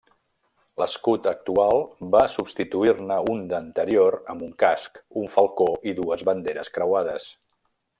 L'escut actual va substituir-ne un d'anterior amb un casc, un falcó i dues banderes creuades.